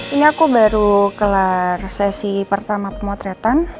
ini aku baru kelar sesi pertama pemotretan